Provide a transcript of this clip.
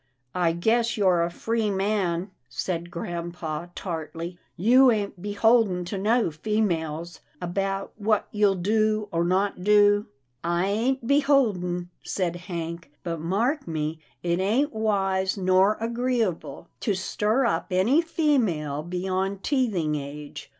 I guess you're a free man," said grampa, tartly, " you ain't beholden to no females, about what you'll do, or not do." " I ain't beholden," said Hank, " but mark me, it ain't wise nor agreeable to stir up any female beyond teething age.